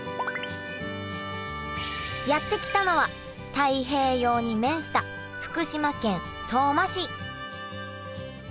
やって来たのは太平洋に面した福島県相馬市。